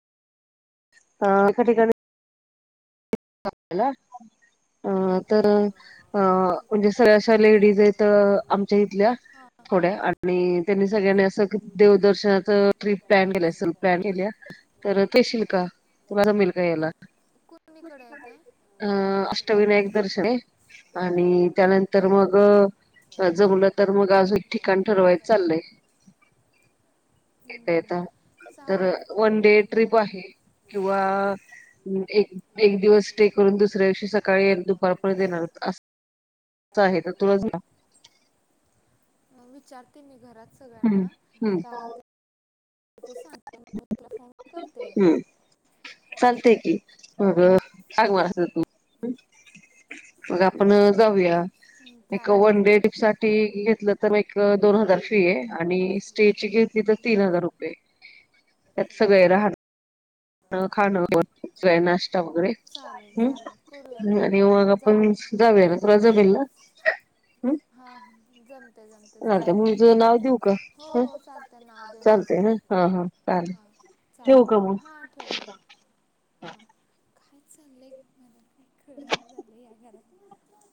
हा काही ठिकाणी. [unintelligible] अ तर अ म्हणजे सऱ्या अशा लेडीज येत आमच्या इथल्या. थोड्या आणि त्यांनी सगळ्यांनी असं देवदर्शनाच ट्रीप प्लॅन केलं असेल प्लॅन केल्या. तर येशील का तुम्हाला जमलं का याला. अ अष्टविनायक. श आणि त्यानंतर मग जमलं तर मग आज. ठिकाण ठरवायच चाललंय. येत येत तर वन डे ट्रिप आहे. किंवा एक एक दिवस स्टे करून दुसऱ्या दिवशी सकाळी एक. [unintelligible] विचारते मी घरात सगळ्यांना का होते. सांगते तला फोन करते. कर ह. मग आपण जाऊया एक वंड्रेड साठी घेतलं तर म दोन हजार फी आहे आणि स्टे घेतली तर तीन हजार रुपये. एक आहेला. खाणं नाश्ता वगैरे ह् आणि मग आपण. जाबलाझबला. हा हा जम. ते जमते जाव हो हो चालते नाव दे माझं. हा चाल. हां आठवठव हां काय चालं आहे मला. का खळ ना झालं या्या घरात.